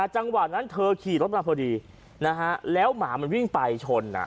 จังหวะนั้นเธอขี่รถมาพอดีแล้วหมามันวิ่งไปชน